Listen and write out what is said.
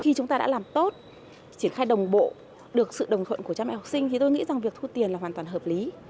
khi chúng ta đã làm tốt triển khai đồng bộ được sự đồng thuận của cha mẹ học sinh thì tôi nghĩ rằng việc thu tiền là hoàn toàn hợp lý